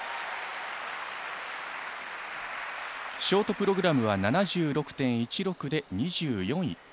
ショートプログラムは７６．１６で２４位。